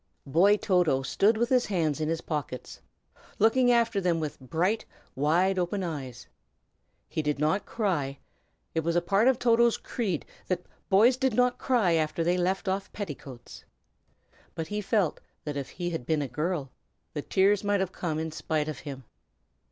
Boy Toto stood with his hands in his pockets, looking after them with bright, wide open eyes. He did not cry, it was a part of Toto's creed that boys did not cry after they had left off petticoats, but he felt that if he had been a girl, the tears might have come in spite of him.